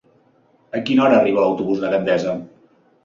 A quina hora arriba l'autobús de Gandesa?